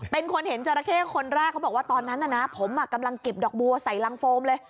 เป็นคนเห็นจราเข้คนแรกเขาบอกว่าตอนนั้นน่ะนะผมกำลังเก็บดอกบัวใส่รังโฟมเลย